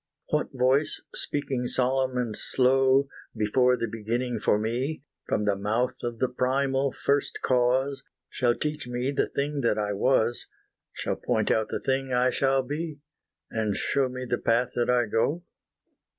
What voice speaking solemn and slow, Before the beginning for me, From the mouth of the primal First Cause, Shall teach me the thing that I was, Shall point out the thing I shall be, And show me the path that I go?